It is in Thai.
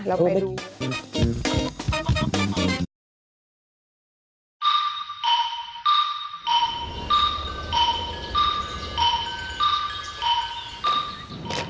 เราไปดู